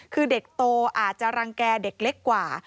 คือเด็กโตอาจจะรังแก่เด็กเล็กกว่า